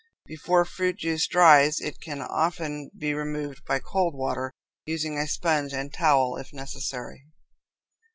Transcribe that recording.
Before fruit juice dries it can often be removed by cold water, using a sponge and towel if necessary.